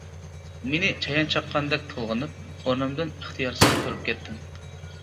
مېنى چايان چاققاندەك تولغىنىپ، ئورنۇمدىن ئىختىيارسىز تۇرۇپ كەتتىم.